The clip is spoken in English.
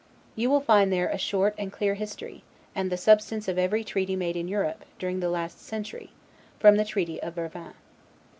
You will there find a short and clear history, and the substance of every treaty made in Europe, during the last century, from the treaty of Vervins.